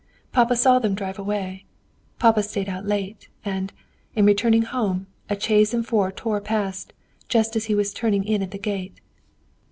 Papa saw them drive away. Papa stayed out late; and, in returning home, a chaise and four tore past, just as he was turning in at the gate.